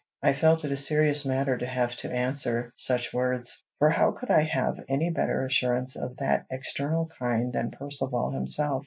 I felt it a serious matter to have to answer such words, for how could I have any better assurance of that external kind than Percivale himself?